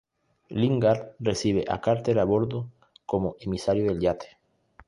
Lingard recibe a Carter a bordo como emisario del yate.